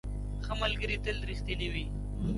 ښه ملګري تل رښتیني وي.